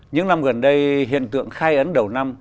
những năm gần đây hiện tượng khai ấn đầu năm